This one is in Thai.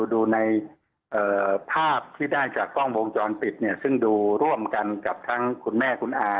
ดูในภาพที่ได้จากกล้องวงจรปิดเนี่ยซึ่งดูร่วมกันกับทั้งคุณแม่คุณอา